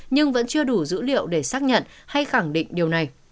nhưng vẫn chưa đủ dữ liệu để xác nhận hay khẳng định điều này